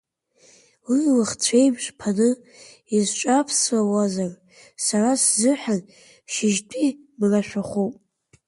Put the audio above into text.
Уи лыхцәеиужь ԥаны исҿаԥсауазар, сара сзыҳәан шьыжьтәи мрашәахәоуп.